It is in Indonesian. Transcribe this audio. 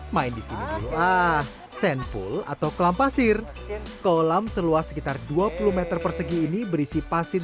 main disini ah sendful atau kelam pasir kolam seluas sekitar dua puluh m persegi ini berisi pasir